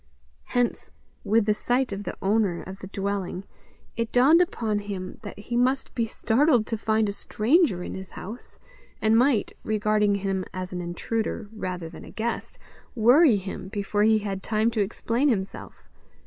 Hence, with the sight of the owner of the dwelling, it dawned upon him that he must be startled to find a stranger in his house, and might, regarding him as an intruder rather than a guest, worry him before he had time to explain himself.